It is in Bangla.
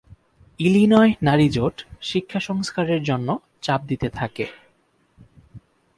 ইলিনয় নারী জোট শিক্ষা সংস্কারের জন্য চাপ দিতে থাকে।